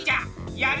やる！